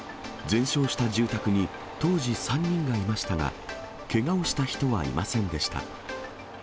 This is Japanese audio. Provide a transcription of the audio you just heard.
全焼した住宅に当時３人がいましたが、けがをした人はいませんでした。